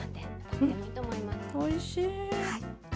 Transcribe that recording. おいしい。